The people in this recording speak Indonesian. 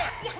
ya bener pak